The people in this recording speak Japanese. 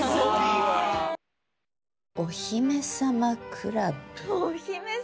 お姫様クラブ？